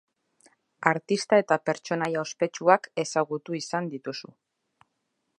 Artista eta pertsonaia ospetsuak ezagutu izan dituzu.